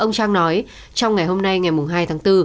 ông trang nói trong ngày hôm nay ngày hai tháng bốn